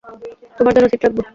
তোমার জন্য সিট রাখবো।